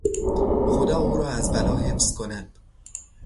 خدا او را از بلا حفظ کند!